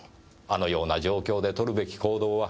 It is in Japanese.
あのような状況でとるべき行動は？